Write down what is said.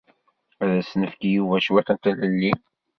Ad as-nefk i Yuba cwiṭ n tlelli.